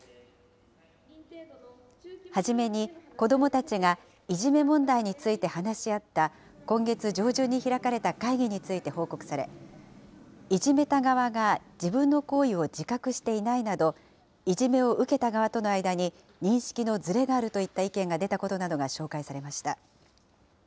初めに、子どもたちがいじめ問題について話し合った今月上旬に開かれた会議について報告され、いじめた側が自分の行為を自覚していないなど、いじめを受けた側との間に認識のずれがあるといった意見が出たことなどが紹介されました。